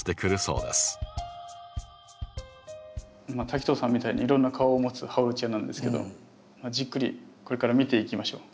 滝藤さんみたいにいろんな顔を持つハオルチアなんですけどじっくりこれから見ていきましょう。